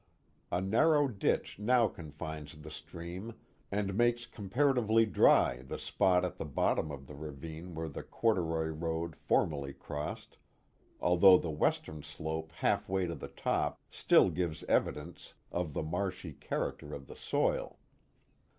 A narrow ditch now confines the stream and makes comparatively dry the spot at the bottom of the ravine where the corduroy road formerly crossed, although the western slope half way to the top, still gives evidence of the marshy character of the soil.